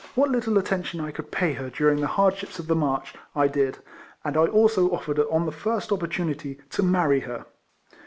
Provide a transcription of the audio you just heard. What little attention I could pay her during the hardships of the march I did, and I also offered on the first opportunity to marry her.